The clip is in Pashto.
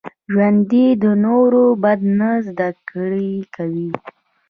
ژوندي د نورو بد نه زده کړه کوي